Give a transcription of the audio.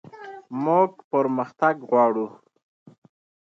موږ پرمختګ غواړو